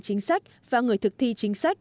chính sách và người thực thi chính sách